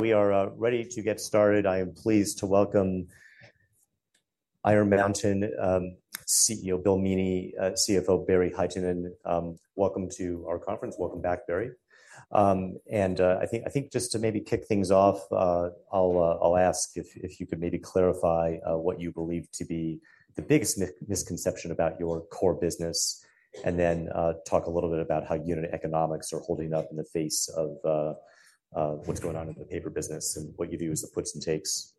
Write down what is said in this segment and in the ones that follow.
We are ready to get started. I am pleased to welcome Iron Mountain CEO Bill Meaney, CFO Barry Hytinen. Welcome to our conference. Welcome back, Barry. And I think just to maybe kick things off, I'll ask if you could maybe clarify what you believe to be the biggest misconception about your core business, and then talk a little bit about how unit economics are holding up in the face of what's going on in the paper business and what you view as the puts and takes.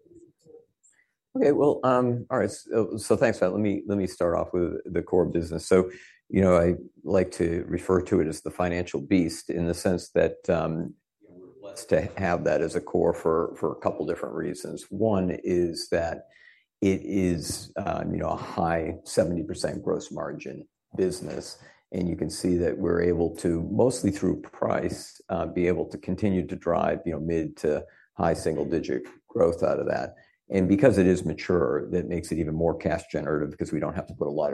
Okay, well, all right. Thanks for that. Let me start off with the core business. You know, I like to refer to it as the financial beast, in the sense that, you know, we're blessed to have that as a core for a couple different reasons. One is that it is, you know, a high 70% gross margin business, and you can see that we're able to, mostly through price, be able to continue to drive, you know, mid- to high single-digit growth out of that. And because it is mature, that makes it even more cash generative because we don't have to put a lot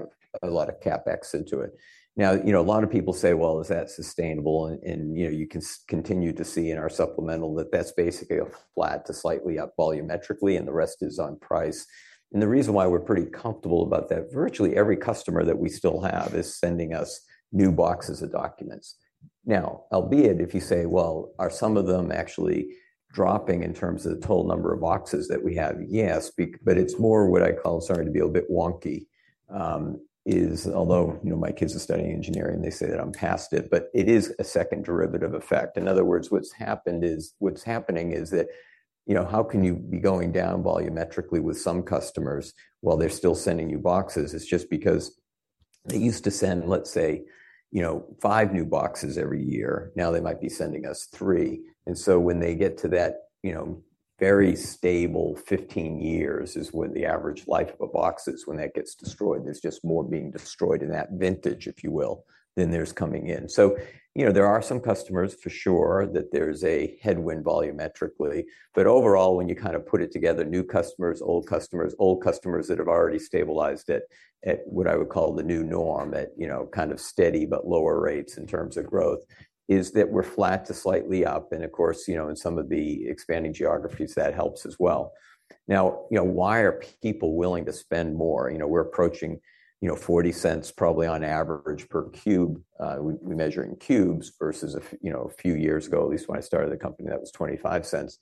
of CapEx into it. Now, you know, a lot of people say, "Well, is that sustainable?" And, you know, you can continue to see in our supplemental that that's basically a flat to slightly up volumetrically, and the rest is on price. And the reason why we're pretty comfortable about that, virtually every customer that we still have is sending us new boxes of documents. Now, albeit if you say, "Well, are some of them actually dropping in terms of the total number of boxes that we have?" Yes, but it's more what I call, starting to be a bit wonky, is although, you know, my kids are studying engineering, they say that I'm past it, but it is a second derivative effect. In other words, what's happened is, what's happening is that, you know, how can you be going down volumetrically with some customers while they're still sending you boxes? It's just because they used to send, let's say, you know, five new boxes every year. Now, they might be sending us three. And so when they get to that, you know, very stable fifteen years is when the average life of a box is, when that gets destroyed, there's just more being destroyed in that vintage, if you will, than there's coming in. So, you know, there are some customers for sure that there's a headwind volumetrically, but overall, when you kind of put it together, new customers, old customers, old customers that have already stabilized at, at what I would call the new norm, at, you know, kind of steady but lower rates in terms of growth, is that we're flat to slightly up. And of course, you know, in some of the expanding geographies, that helps as well. Now, you know, why are people willing to spend more? You know, we're approaching, you know, $0.40 probably on average per cube. We measure in cubes versus a, you know, a few years ago, at least when I started the company, that was $0.25.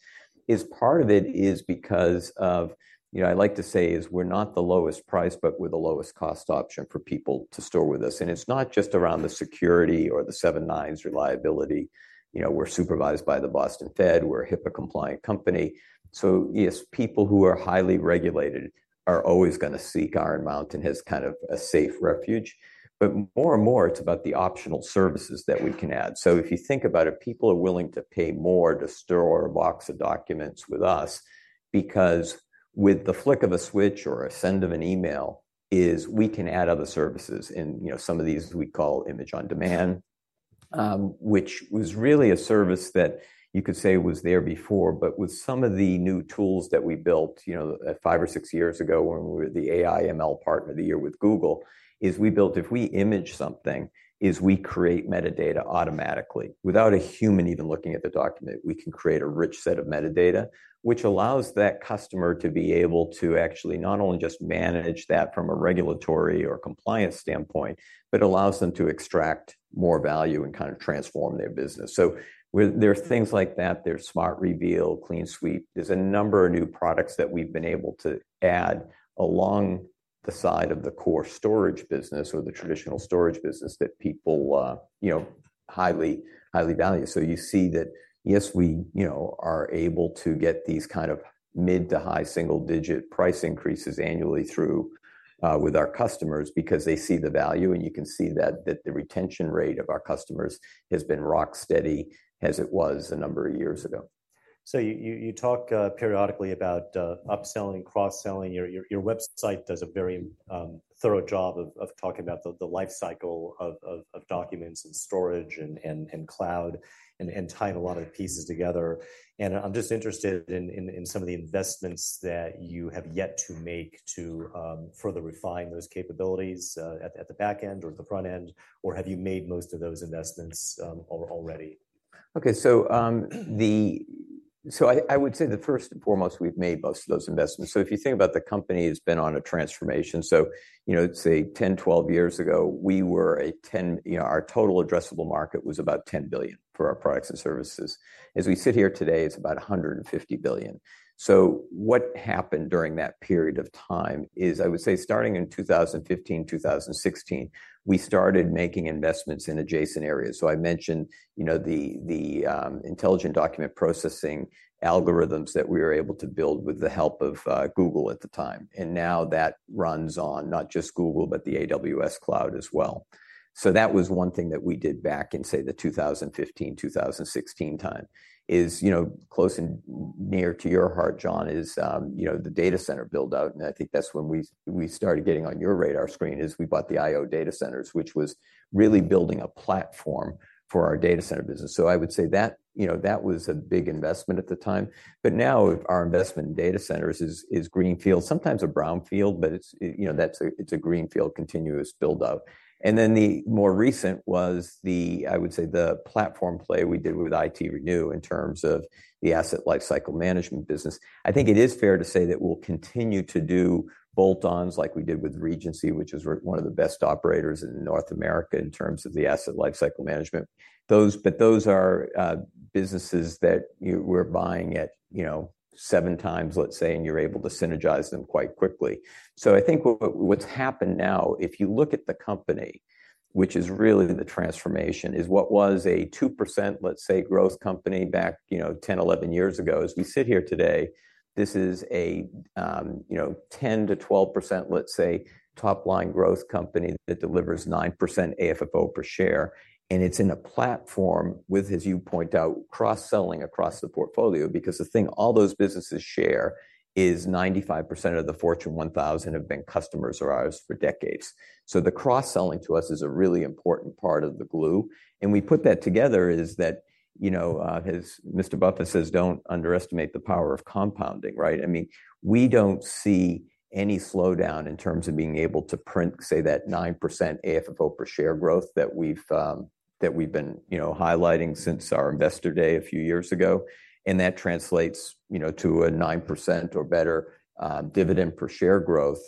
Is part of it is because of, you know, I like to say is we're not the lowest price, but we're the lowest cost option for people to store with us. And it's not just around the security or the seven nines reliability. You know, we're supervised by the Boston Fed, we're a HIPAA-compliant company. So yes, people who are highly regulated are always going to seek Iron Mountain as kind of a safe refuge, but more and more, it's about the optional services that we can add. So if you think about it, people are willing to pay more to store a box of documents with us because with the flick of a switch or a send of an email, we can add other services in. You know, some of these we call Image on Demand, which was really a service that you could say was there before, but with some of the new tools that we built, you know, at five or six years ago, when we were the AI ML Partner of the Year with Google, we built. If we image something, we create metadata automatically. Without a human even looking at the document, we can create a rich set of metadata, which allows that customer to be able to actually not only just manage that from a regulatory or compliance standpoint, but allows them to extract more value and kind of transform their business. So there are things like that. There's Smart Reveal, Clean Sweep. There's a number of new products that we've been able to add along the side of the core storage business or the traditional storage business that people, you know, highly, highly value. So you see that, yes, we, you know, are able to get these kind of mid to high single-digit price increases annually through with our customers because they see the value, and you can see that the retention rate of our customers has been rock steady as it was a number of years ago. So you talk periodically about upselling, cross-selling. Your website does a very thorough job of talking about the life cycle of documents and storage and cloud and tying a lot of the pieces together. And I'm just interested in some of the investments that you have yet to make to further refine those capabilities at the back end or the front end, or have you made most of those investments already? Okay, so I would say the first and foremost, we've made most of those investments. So if you think about the company, it's been on a transformation. So, you know, say 10, 12 years ago, you know, our total addressable market was about $10 billion for our products and services. As we sit here today, it's about $150 billion. So what happened during that period of time is, I would say, starting in 2015, 2016, we started making investments in adjacent areas. So I mentioned, you know, the intelligent document processing algorithms that we were able to build with the help of Google at the time. And now that runs on not just Google, but the AWS cloud as well. So that was one thing that we did back in, say, the 2015, 2016 time. You know, close and near to your heart, John, is, you know, the data center build-out, and I think that's when we started getting on your radar screen. We bought the IO Data Centers, which was really building a platform for our data center business. So I would say that, you know, that was a big investment at the time, but now our investment in data centers is greenfield, sometimes a brownfield, but it's, you know, that's a, it's a greenfield continuous build-out. And then the more recent was the, I would say, the platform play we did with ITRenew in terms of the asset lifecycle management business. I think it is fair to say that we'll continue to do bolt-ons like we did with Regency, which is one of the best operators in North America in terms of the asset lifecycle management. But those are businesses that we're buying at, you know, seven times, let's say, and you're able to synergize them quite quickly. So I think what's happened now, if you look at the company, which is really the transformation, is what was a 2%, let's say, growth company back, you know, 10, 11 years ago, as we sit here today, this is a, you know, 10-12%, let's say, top-line growth company that delivers 9% AFFO per share. And it's in a platform with, as you point out, cross-selling across the portfolio, because the thing all those businesses share is 95% of the Fortune 1000 have been customers of ours for decades. So the cross-selling to us is a really important part of the glue, and we put that together, you know, as Mr. Buffett says, "Don't underestimate the power of compounding," right? I mean, we don't see any slowdown in terms of being able to print, say, that 9% AFFO per share growth that we've been, you know, highlighting since our investor day a few years ago. And that translates, you know, to a 9% or better dividend per share growth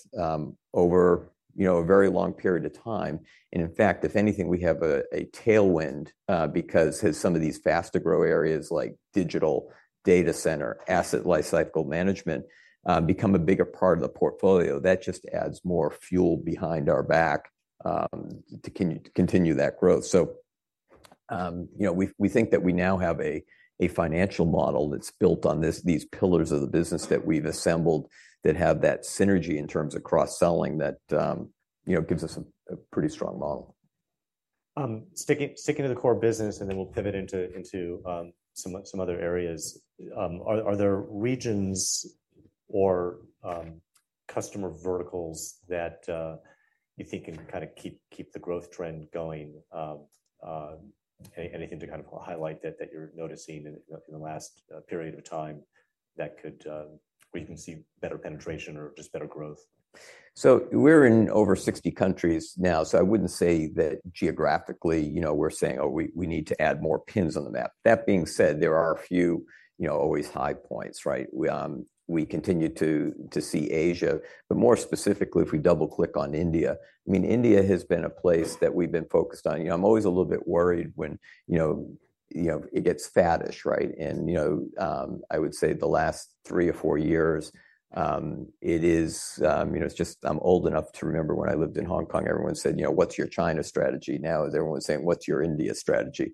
over, you know, a very long period of time. And in fact, if anything, we have a tailwind, because as some of these fast-to-grow areas like digital data center, asset lifecycle management, become a bigger part of the portfolio, that just adds more fuel behind our back, to continue that growth. So, you know, we think that we now have a financial model that's built on these pillars of the business that we've assembled that have that synergy in terms of cross-selling that, you know, gives us a pretty strong model. Sticking to the core business, and then we'll pivot into some other areas. Are there regions or customer verticals that you think can kind of keep the growth trend going? Anything to kind of highlight that you're noticing in the last period of time that could where you can see better penetration or just better growth? So we're in over 60 countries now, so I wouldn't say that geographically, you know, we're saying: Oh, we need to add more pins on the map. That being said, there are a few, you know, always high points, right? We continue to see Asia, but more specifically, if we double-click on India, I mean, India has been a place that we've been focused on. You know, I'm always a little bit worried when, you know, it gets faddish, right? You know, I would say the last three or four years, you know, it's just. I'm old enough to remember when I lived in Hong Kong. Everyone said, "You know, what's your China strategy?" Now, everyone's saying, "What's your India strategy?"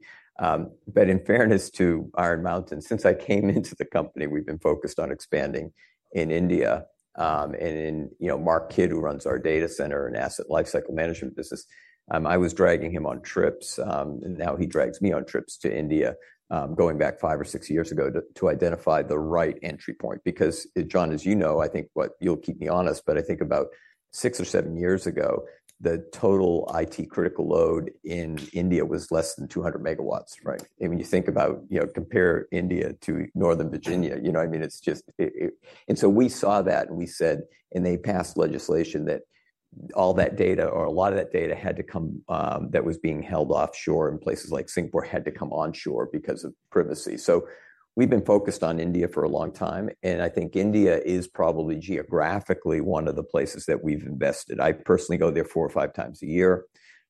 But in fairness to Iron Mountain, since I came into the company, we've been focused on expanding in India. And, you know, Mark Kidd, who runs our data center and asset lifecycle management business, I was dragging him on trips, and now he drags me on trips to India, going back five or six years ago, to identify the right entry point. Because, John, as you know, I think you'll keep me honest, but I think about six or seven years ago, the total IT critical load in India was less than 200 MW, right? I mean, you think about, you know, compare India to Northern Virginia, you know what I mean? It's just, and so we saw that, and we said, and they passed legislation that all that data or a lot of that data had to come, that was being held offshore in places like Singapore, had to come onshore because of privacy, so we've been focused on India for a long time, and I think India is probably geographically one of the places that we've invested. I personally go there four or five times a year.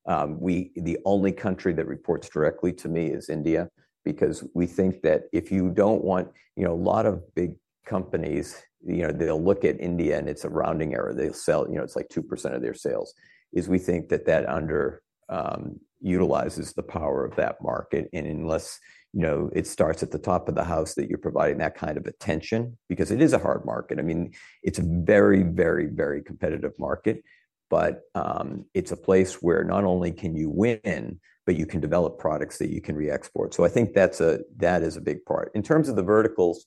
The only country that reports directly to me is India, because we think that if you don't want, you know, a lot of big companies, you know, they'll look at India, and it's a rounding error. They'll sell, you know, it's like 2% of their sales, is we think that that underutilizes the power of that market. And unless, you know, it starts at the top of the house, that you're providing that kind of attention, because it is a hard market. I mean, it's a very, very, very competitive market, but it's a place where not only can you win, but you can develop products that you can re-export. So I think that is a big part. In terms of the verticals,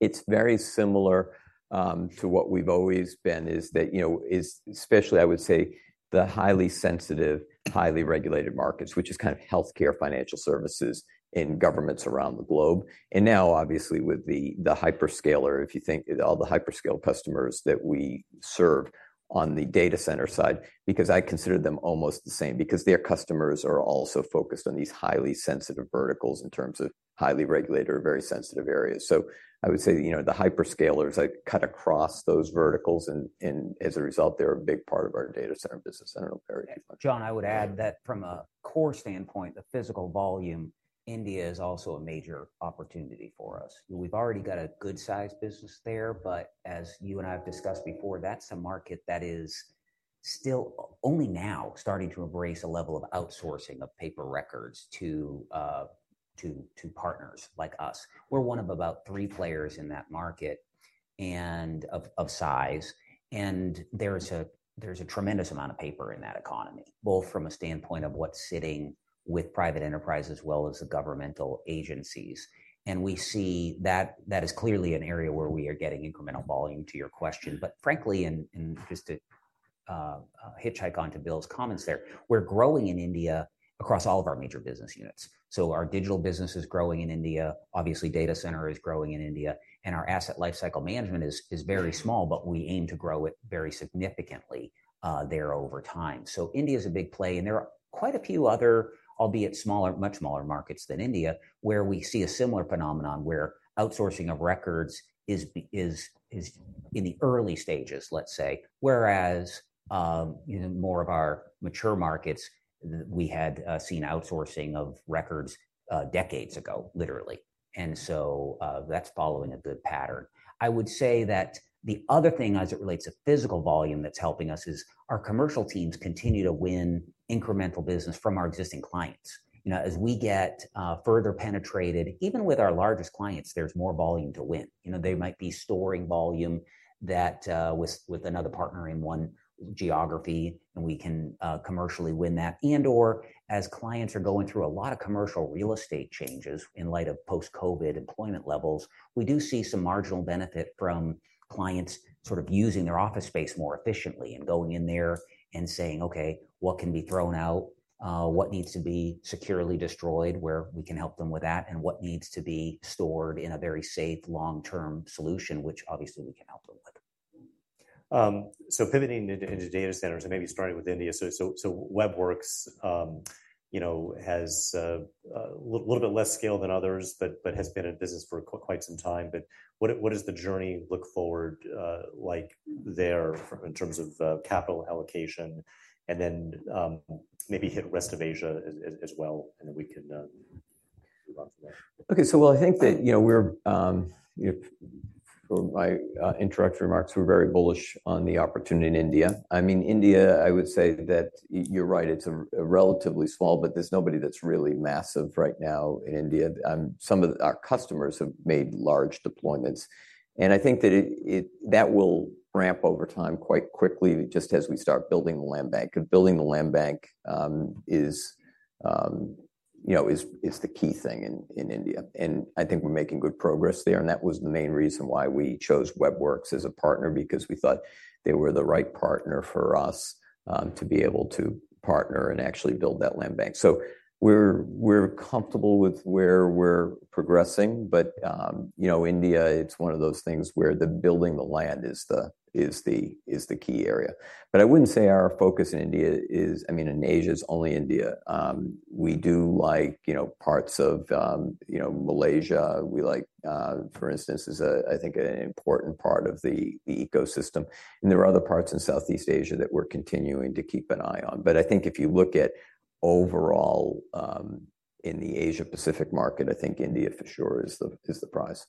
it's very similar to what we've always been, is that, you know, is especially, I would say, the highly sensitive, highly regulated markets, which is kind of healthcare, financial services and governments around the globe. And now, obviously, with the hyperscaler, if you think all the hyperscale customers that we serve on the data center side, because I consider them almost the same, because their customers are also focused on these highly sensitive verticals in terms of highly regulated or very sensitive areas. So I would say, you know, the hyperscalers, like, cut across those verticals, and as a result, they're a big part of our data center business. I don't know, Barry. John, I would add that from a core standpoint, the physical volume, India is also a major opportunity for us. We've already got a good-sized business there, but as you and I have discussed before, that's a market that is still only now starting to embrace a level of outsourcing of paper records to partners like us. We're one of about three players in that market and of size, and there's a tremendous amount of paper in that economy, both from a standpoint of what's sitting with private enterprise as well as the governmental agencies, and we see that that is clearly an area where we are getting incremental volume, to your question, but frankly, and just to hitchhike onto Bill's comments there, we're growing in India across all of our major business units. So our digital business is growing in India, obviously. Data center is growing in India, and our asset lifecycle management is very small, but we aim to grow it very significantly there over time. So India is a big play, and there are quite a few other, albeit smaller, much smaller markets than India, where we see a similar phenomenon where outsourcing of records is in the early stages, let's say. Whereas in more of our mature markets, we had seen outsourcing of records decades ago, literally. And so, that's following a good pattern. I would say that the other thing as it relates to physical volume that's helping us is our commercial teams continue to win incremental business from our existing clients. You know, as we get further penetrated, even with our largest clients, there's more volume to win. You know, they might be storing volume that with another partner in one geography, and we can commercially win that, and/or as clients are going through a lot of commercial real estate changes in light of post-COVID employment levels, we do see some marginal benefit from clients sort of using their office space more efficiently and going in there and saying: "Okay, what can be thrown out? What needs to be securely destroyed?" where we can help them with that, and what needs to be stored in a very safe long-term solution, which obviously we can help them with. So pivoting into data centers and maybe starting with India. So Web Werks, you know, has a little bit less scale than others, but has been in business for quite some time. But what does the journey look forward like there in terms of capital allocation? And then maybe hit rest of Asia as well, and then we can move on from there. Okay, so well, I think that, you know, we're, you know, for my introductory remarks, we're very bullish on the opportunity in India. I mean, India, I would say that you're right, it's a relatively small, but there's nobody that's really massive right now in India. Some of our customers have made large deployments, and I think that it will ramp over time quite quickly, just as we start building the land bank. Building the land bank is, you know, is the key thing in India, and I think we're making good progress there, and that was the main reason why we chose Web Werks as a partner, because we thought they were the right partner for us, to be able to partner and actually build that land bank. So we're comfortable with where we're progressing, but you know, India, it's one of those things where the land banking is the key area. But I wouldn't say our focus in India is... I mean, in Asia, is only India. We do like, you know, parts of, you know, Malaysia, we like, for instance, is a, I think, an important part of the ecosystem, and there are other parts in Southeast Asia that we're continuing to keep an eye on. But I think if you look at overall, in the Asia-Pacific market, I think India for sure is the prize.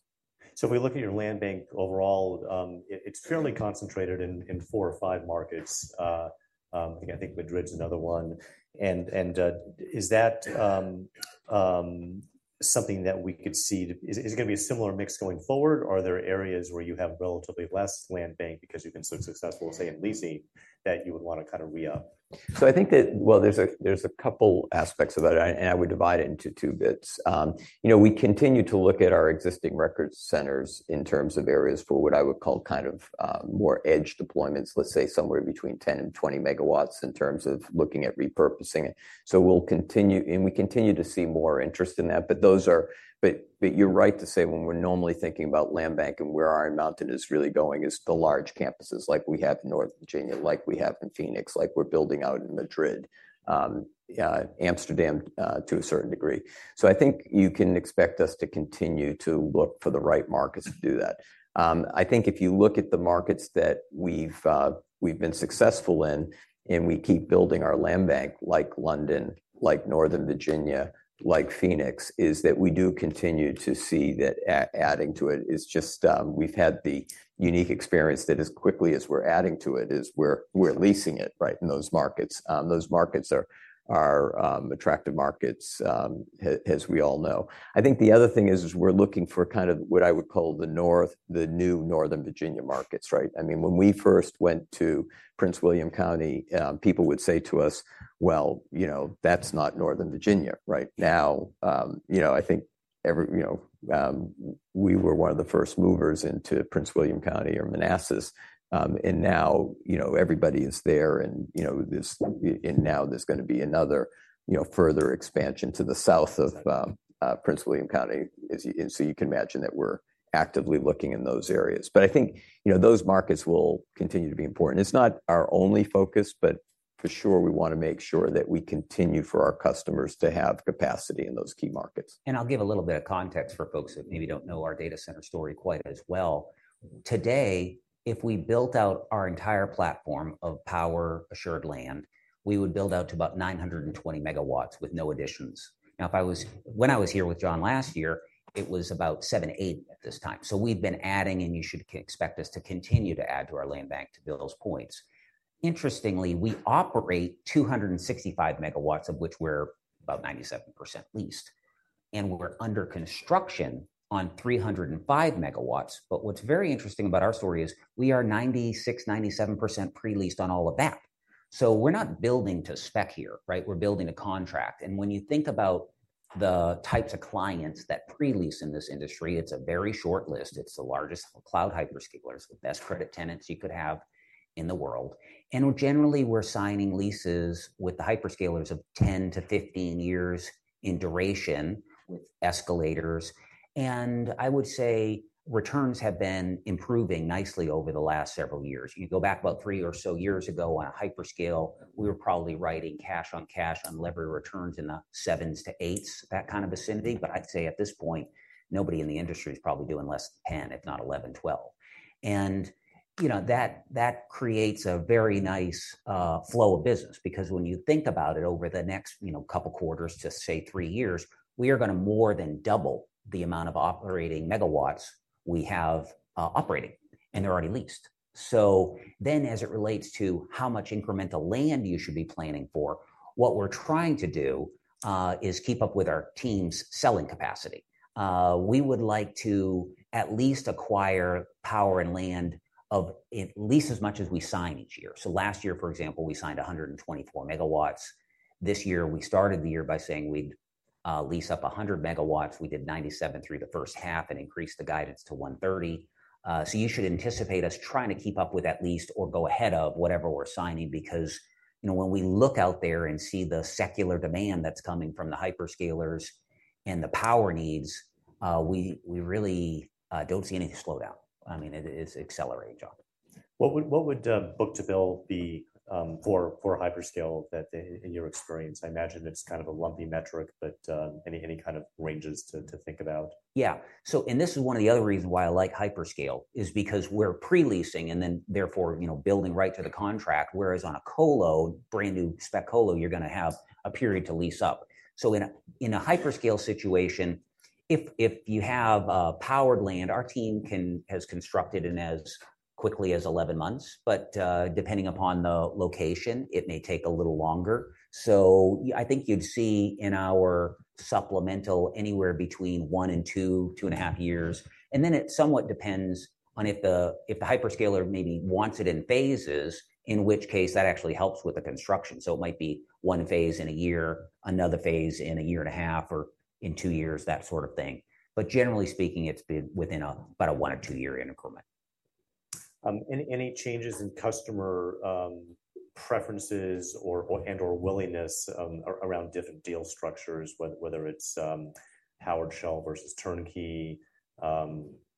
So if we look at your land bank overall, it's fairly concentrated in four or five markets. I think Madrid's another one. And is that something that we could see? Is it gonna be a similar mix going forward, or are there areas where you have relatively less land bank because you've been so successful, say, in leasing, that you would want to kind of re-up? So I think that. Well, there's a couple aspects of that, and I would divide it into two bits. You know, we continue to look at our existing record centers in terms of areas for what I would call kind of more edge deployments, let's say somewhere between 10 MW and 20 MW in terms of looking at repurposing it. So we'll continue, and we continue to see more interest in that, but you're right to say when we're normally thinking about land bank and where Iron Mountain is really going is the large campuses like we have in Northern Virginia, like we have in Phoenix, like we're building out in Madrid, yeah, Amsterdam, to a certain degree. So I think you can expect us to continue to look for the right markets to do that. I think if you look at the markets that we've been successful in, and we keep building our land bank, like London, like Northern Virginia, like Phoenix, is that we do continue to see that adding to it is just, we've had the unique experience that as quickly as we're adding to it, is we're leasing it right in those markets. Those markets are attractive markets, as we all know. I think the other thing is, we're looking for kind of what I would call the new Northern Virginia markets, right? I mean, when we first went to Prince William County, people would say to us: "Well, you know, that's not Northern Virginia." Right now, you know, I think, you know, we were one of the first movers into Prince William County or Manassas. And now, you know, everybody is there, and, you know, and now there's gonna be another, you know, further expansion to the south of Prince William County. So you can imagine that we're actively looking in those areas. But I think, you know, those markets will continue to be important. It's not our only focus, but for sure, we want to make sure that we continue for our customers to have capacity in those key markets. I'll give a little bit of context for folks that maybe don't know our data center story quite as well. Today, if we built out our entire platform of power-assured land, we would build out to about 920 MW with no additions. Now, when I was here with John last year, it was about 780 MW at this time. So we've been adding, and you should expect us to continue to add to our land bank to build those points. Interestingly, we operate 265 MW, of which we're about 97% leased, and we're under construction on 305 MW. What's very interesting about our story is we are 96-97% pre-leased on all of that. So we're not building to spec here, right? We're building a contract. And when you think about the types of clients that pre-lease in this industry, it's a very short list. It's the largest cloud hyperscalers, the best credit tenants you could have in the world. And generally, we're signing leases with the hyperscalers of 10 to 15 years in duration with escalators, and I would say returns have been improving nicely over the last several years. You go back about three or so years ago on a hyperscale, we were probably writing cash on cash on lever returns in the sevens to eights, that kind of vicinity. But I'd say at this point, nobody in the industry is probably doing less than 10, if not 11, 12. And you know, that, that creates a very nice flow of business, because when you think about it, over the next couple quarters, just say three years, we are gonna more than double the amount of operating Megawatts we have operating, and they're already leased. So then as it relates to how much incremental land you should be planning for, what we're trying to do is keep up with our team's selling capacity. We would like to at least acquire power and land of at least as much as we sign each year. So last year, for example, we signed 124 MW. This year, we started the year by saying we'd lease up 100 MW. We did 97 MW through the first half and increased the guidance to 130 MW. So you should anticipate us trying to keep up with at least or go ahead of whatever we're signing, because, you know, when we look out there and see the secular demand that's coming from the hyperscalers and the power needs, we really don't see any slowdown. I mean, it is accelerating, John. What would book-to-bill be for hyperscalers in your experience? I imagine it's kind of a lumpy metric, but any kind of ranges to think about? Yeah. So, and this is one of the other reasons why I like hyperscale, is because we're pre-leasing and then therefore, you know, building right to the contract, whereas on a colo, brand-new spec colo, you're going to have a period to lease up. So in a hyperscale situation, if you have powered land, our team has constructed in as quickly as 11 months, but depending upon the location, it may take a little longer. So I think you'd see in our supplemental anywhere between one and two, two and a half years. And then it somewhat depends on if the hyperscaler maybe wants it in phases, in which case that actually helps with the construction. So it might be one phase in a year, another phase in a year and a half or in two years, that sort of thing. But generally speaking, it's been within about a one- or two-year increment. Any changes in customer preferences or and/or willingness around different deal structures, whether it's powered shell versus turnkey,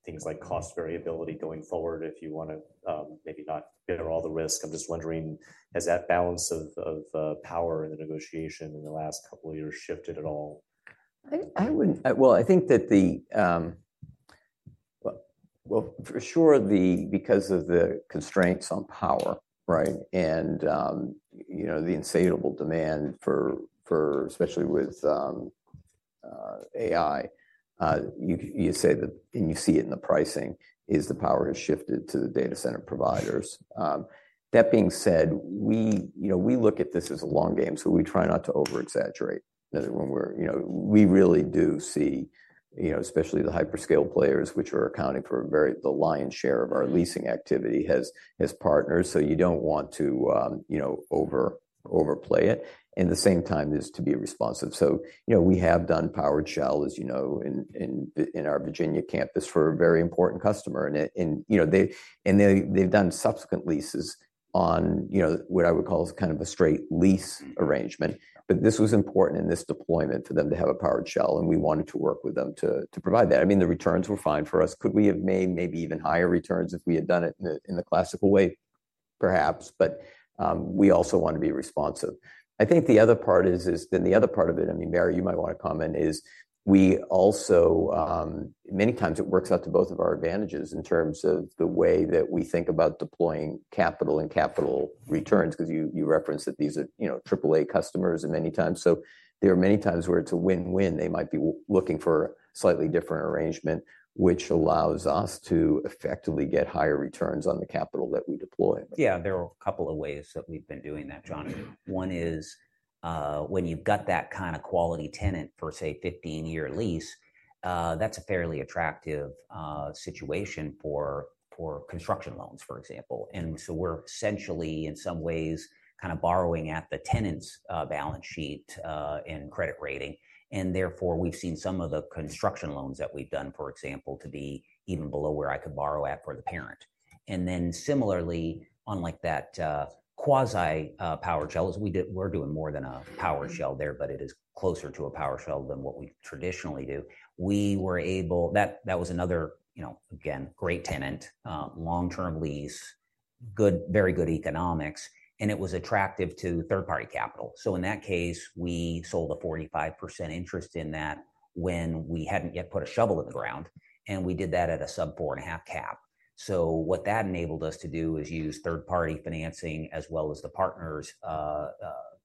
things like cost variability going forward, if you want to maybe not bear all the risk? I'm just wondering, has that balance of power in the negotiation in the last couple of years shifted at all? Well, I think that because of the constraints on power, right? And you know, the insatiable demand for especially with AI, you say that, and you see it in the pricing, is the power has shifted to the data center providers. That being said, you know, we look at this as a long game, so we try not to overexaggerate. You know, we really do see, you know, especially the hyperscale players, which are accounting for the lion's share of our leasing activity, as partners, so you don't want to you know, overplay it. At the same time, is to be responsive. So, you know, we have done powered shell, as you know, in our Virginia campus for a very important customer. You know, they’ve done subsequent leases on, you know, what I would call kind of a straight lease arrangement. But this was important in this deployment for them to have a powered shell, and we wanted to work with them to provide that. I mean, the returns were fine for us. Could we have made maybe even higher returns if we had done it in the classical way? Perhaps. But we also want to be responsive. I think the other part is then the other part of it. I mean, Barry, you might want to comment. It is we also many times it works out to both of our advantages in terms of the way that we think about deploying capital and capital returns, because you referenced that these are, you know, triple-A customers and many times. There are many times where it's a win-win. They might be looking for a slightly different arrangement, which allows us to effectively get higher returns on the capital that we deploy. Yeah, there are a couple of ways that we've been doing that, John. One is, when you've got that kind of quality tenant for, say, a fifteen-year lease, that's a fairly attractive situation for construction loans, for example. And so we're essentially, in some ways, kind of borrowing at the tenant's balance sheet and credit rating, and therefore, we've seen some of the construction loans that we've done, for example, to be even below where I could borrow at for the parent. And then similarly, on like that, quasi power shell, as we did. We're doing more than a power shell there, but it is closer to a power shell than what we traditionally do. We were able. That, that was another, you know, again, great tenant, long-term lease, good, very good economics, and it was attractive to third-party capital. So in that case, we sold a 45% interest in that when we hadn't yet put a shovel in the ground, and we did that at a sub-4.5% cap. So what that enabled us to do is use third-party financing as well as the partner's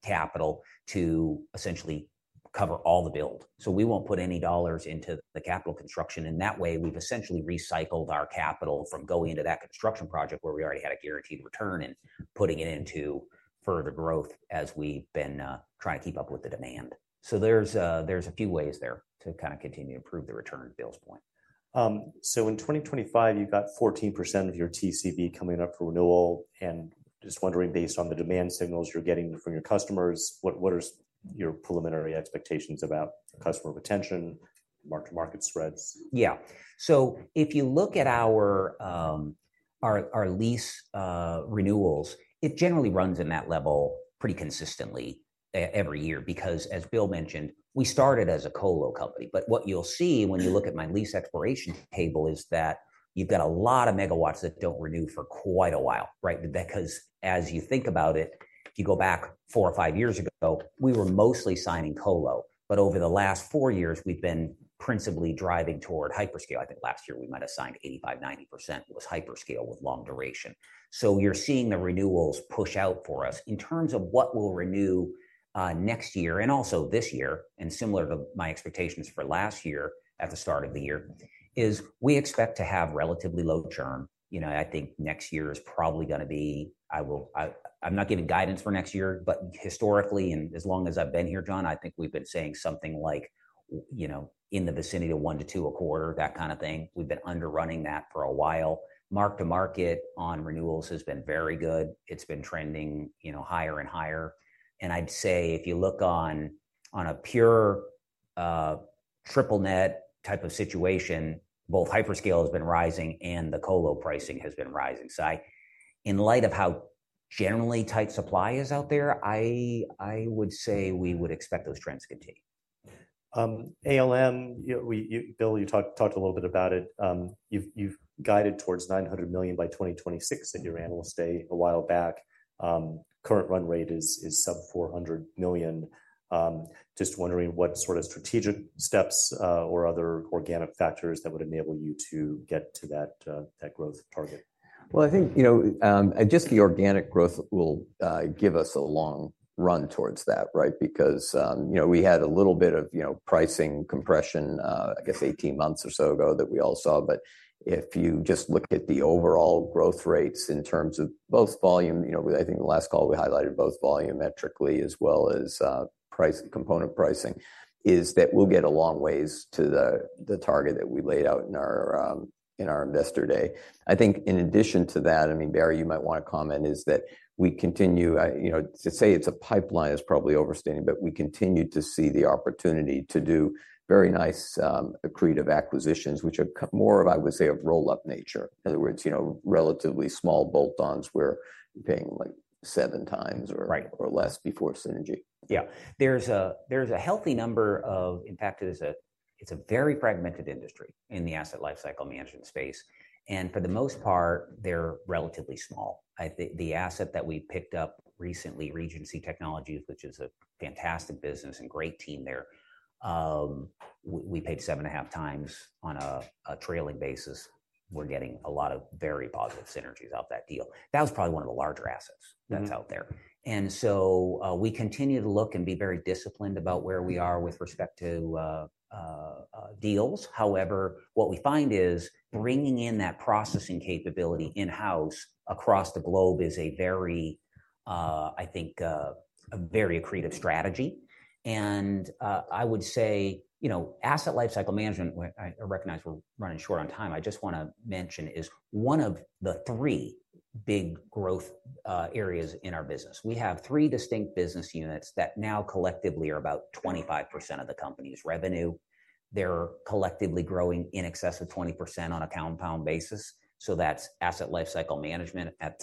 capital to essentially cover all the build. So we won't put any dollars into the capital construction, and that way, we've essentially recycled our capital from going into that construction project where we already had a guaranteed return and putting it into further growth as we've been trying to keep up with the demand. So there's a few ways there to kind of continue to improve the return Bill's point. So in 2025, you've got 14% of your TCB coming up for renewal, and just wondering, based on the demand signals you're getting from your customers, what are your preliminary expectations about customer retention, mark-to-market spreads? Yeah. So if you look at our lease renewals, it generally runs in that level pretty consistently every year, because as Bill mentioned, we started as a colo company. But what you'll see when you look at my lease expiration table is that you've got a lot of Megawatt that don't renew for quite a while, right? Because as you think about it, if you go back four or five years ago, we were mostly signing colo, but over the last four years, we've been principally driving toward hyperscale. I think last year we might have signed 85-90% was hyperscale with long duration. So you're seeing the renewals push out for us. In terms of what we'll renew next year and also this year, and similar to my expectations for last year at the start of the year, we expect to have relatively low churn. You know, I think next year is probably going to be. I'm not giving guidance for next year, but historically, and as long as I've been here, John, I think we've been saying something like, you know, in the vicinity of one to two a quarter, that kind of thing. We've been underrunning that for a while. Mark-to-market on renewals has been very good. It's been trending, you know, higher and higher. And I'd say if you look on a pure triple net type of situation, both hyperscale has been rising and the colo pricing has been rising. So, in light of how generally tight supply is out there, I would say we would expect those trends to continue. ALM, you know, we, you, Bill, you talked a little bit about it. You've guided towards $900 million by 2026 at your analyst day a while back. Current run rate is sub $400 million. Just wondering what sort of strategic steps or other organic factors that would enable you to get to that growth target? I think, you know, just the organic growth will give us a long run towards that, right? Because, you know, we had a little bit of, you know, pricing compression, I guess 18 months or so ago that we all saw. But if you just look at the overall growth rates in terms of both volume, you know, I think the last call we highlighted both volumetrically as well as price-component pricing; that we'll get a long ways to the target that we laid out in our Investor Day. I think in addition to that, I mean, Barry, you might want to comment, is that we continue, you know, to say it's a pipeline is probably overstating, but we continue to see the opportunity to do very nice accretive acquisitions, which are more of, I would say, of roll-up nature. In other words, you know, relatively small bolt-ons where we're paying, like, seven times or- Right... or less before synergy. Yeah. There's a healthy number of... In fact, it is a very fragmented industry in the asset lifecycle management space, and for the most part, they're relatively small. I think the asset that we picked up recently, Regency Technologies, which is a fantastic business and great team there, we paid seven and a half times on a trailing basis. We're getting a lot of very positive synergies out of that deal. That was probably one of the larger assets- Mm-hmm. That's out there. And so we continue to look and be very disciplined about where we are with respect to deals. However, what we find is bringing in that processing capability in-house across the globe is a very, I think, a very accretive strategy. And I would say, you know, asset lifecycle management, which I recognize we're running short on time, I just want to mention, is one of the three big growth areas in our business. We have three distinct business units that now collectively are about 25% of the company's revenue. They're collectively growing in excess of 20% on a compound basis. So that's asset lifecycle management at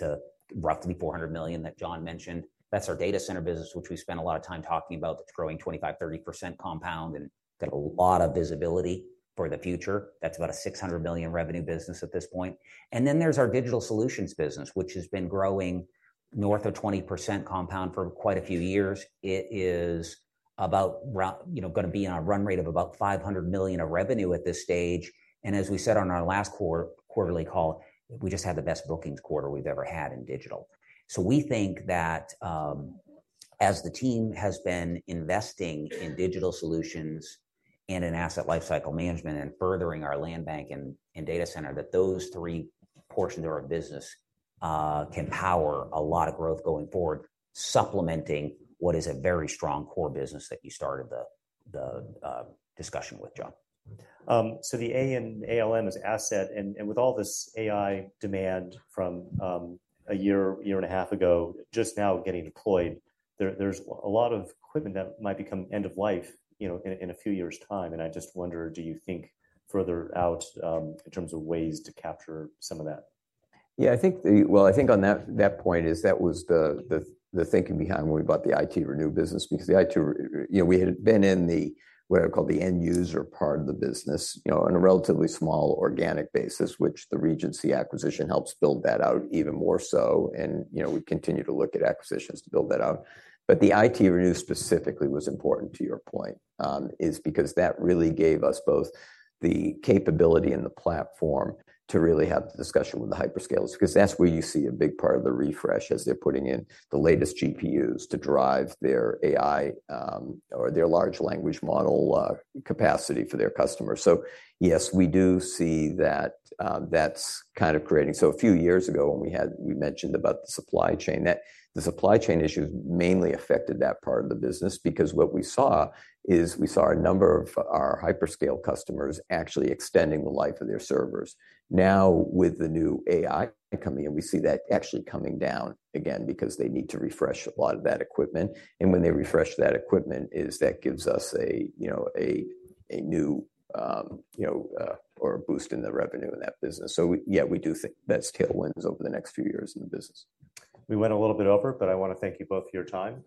roughly $400 million that John mentioned. That's our data center business, which we spent a lot of time talking about. That's growing 25%-30% compound and got a lot of visibility for the future. That's about a $600 million revenue business at this point. And then there's our digital solutions business, which has been growing north of 20% compound for quite a few years. It is about, you know, going to be on a run rate of about $500 million of revenue at this stage. And as we said on our last quarterly call, we just had the best bookings quarter we've ever had in digital. So we think that as the team has been investing in digital solutions and in asset lifecycle management and furthering our land bank and data center, that those three portions of our business can power a lot of growth going forward, supplementing what is a very strong core business that you started the discussion with, John. So the A in ALM is asset, and with all this AI demand from a year and a half ago, just now getting deployed, there's a lot of equipment that might become end of life, you know, in a few years' time. And I just wonder, do you think further out, in terms of ways to capture some of that? Yeah, I think. Well, I think on that point. That was the thinking behind when we bought the ITRenew business, because the IT, you know, we had been in the, what I call the end user part of the business, you know, on a relatively small organic basis, which the Regency acquisition helps build that out even more so. And, you know, we continue to look at acquisitions to build that out. But the ITRenew specifically was important to your point, is because that really gave us both the capability and the platform to really have the discussion with the hyperscalers, because that's where you see a big part of the refresh as they're putting in the latest GPUs to drive their AI, or their large language model capacity for their customers. So yes, we do see that, that's kind of creating. So a few years ago, we mentioned about the supply chain, that the supply chain issues mainly affected that part of the business, because what we saw, we saw a number of our hyperscale customers actually extending the life of their servers. Now, with the new AI coming in, we see that actually coming down again because they need to refresh a lot of that equipment. And when they refresh that equipment, it gives us a, you know, a new or a boost in the revenue in that business. So yeah, we do think that's tailwinds over the next few years in the business. We went a little bit over, but I want to thank you both for your time.